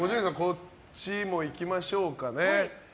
こっちもいきましょうか。